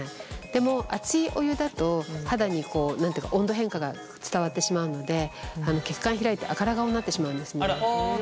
でも熱いお湯だと肌に温度変化が伝わってしまうので血管開いて赤ら顔になってしまうんですね。